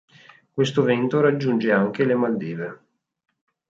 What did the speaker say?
Questo vento raggiunge anche le Maldive.